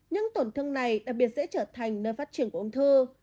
những tổn thương này đặc biệt sẽ trở thành nơi phát triển của ung thư